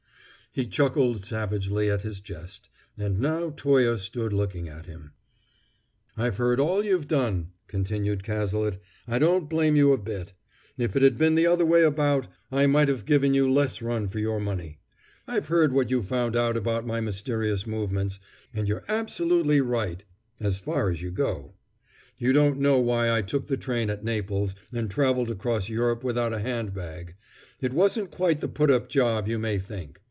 He chuckled savagely at his jest; and now Toye stood looking at him. "I've heard all you've done," continued Cazalet. "I don't blame you a bit. If it had been the other way about, I might have given you less run for your money. I've heard what you've found out about my mysterious movements, and you're absolutely right as far as you go. You don't know why I took the train at Naples, and traveled across Europe without a hand bag. It wasn't quite the put up job you may think.